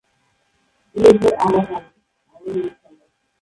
লেজের আগা কালো।